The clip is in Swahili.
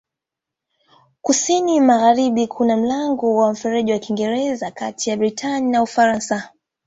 Kusini-magharibi kuna mlango wa Mfereji wa Kiingereza kati ya Britania na Ufaransa.